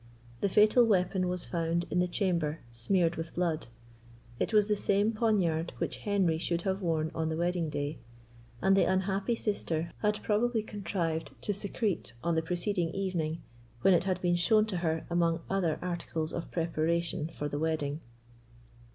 The fatal weapon was found in the chamber smeared with blood. It was the same poniard which Henry should have worn on the wedding day, and the unhappy sister had probably contrived to secrete on the preceding evening, when it had been shown to her among other articles of preparation for the wedding.